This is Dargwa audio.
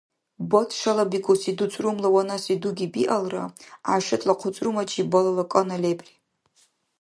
Бац шалабикӀуси дуцӀрумла ванаси дуги биалра, ГӀяйшатла хъуцӀрумачиб балала кӀана лебри.